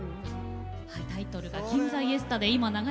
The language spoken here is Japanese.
タイトルが「銀座イエスタデイ」。